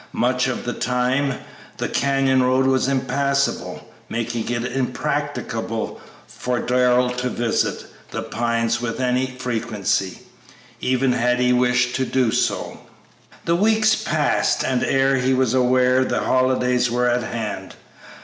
Much of the time the canyon road was impassable, making it impracticable for Darrell to visit The Pines with any frequency, even had he wished to do so. The weeks passed, and ere he was aware the holidays were at hand.